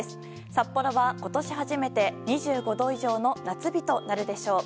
札幌は今年初めて２５度以上の夏日となるでしょう。